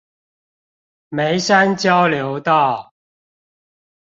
梅山交流道